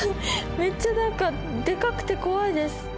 めっちゃ何かでかくて怖いです。